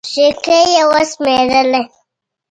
سيکې يې وشمېرلې.